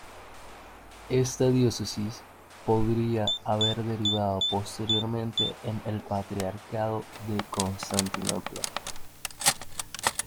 Esta diócesis podría haber derivado posteriormente en el patriarcado de Constantinopla.